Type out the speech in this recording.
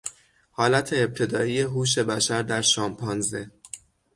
حالت ابتدایی هوش بشر در شامپانزه